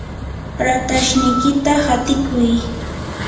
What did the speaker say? ratashniykita hatiykuy.